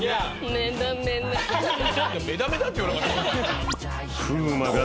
「めだめだ」って言わなかった？